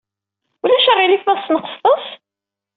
Ulac aɣilif ma tesneqsed-as?